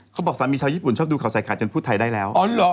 เขาบอกสามีชาวญี่ปุ่นชอบดูข่าวใส่ไข่จนพูดไทยได้แล้ว